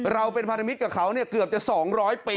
เราเป็นพันธมิตรกับเขาเนี่ยเกือบจะสองร้อยปี